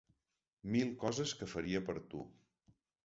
Mil coses que faria per tu.